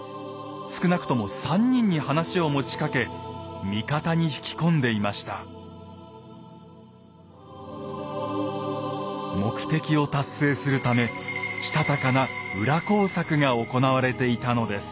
少なくとも３人に話を持ちかけ目的を達成するためしたたかな裏工作が行われていたのです。